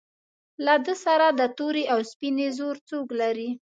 له ده سره د تورې او سپینې زور څوک لري.